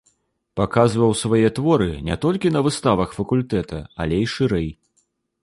Паказваў свае творы не толькі на выставах факультэта, але і шырэй.